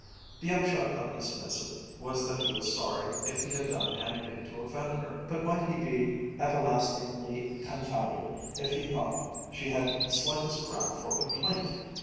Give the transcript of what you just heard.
The upshot of his missive was that he was sorry if he had done anything to offend her, but might he be everlastingly confounded if he thought she had the slightest ground for complaint!